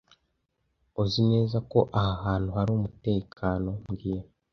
Uzi neza ko aha hantu hari umutekano mbwira